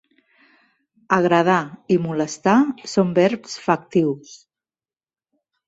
"Agradar" i "molestar" són verbs factius.